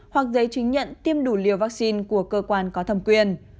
hoặc giấy chứng nhận tiêm đủ liều vaccine của cơ quan có thẩm quyền